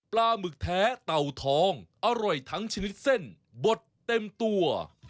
หมึกแท้เต่าทองอร่อยทั้งชนิดเส้นบดเต็มตัว